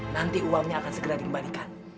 nanti uangnya akan segera dikembalikan